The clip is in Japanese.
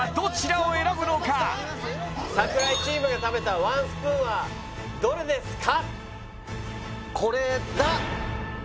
櫻井チームが食べたワンスプーンはどれですか？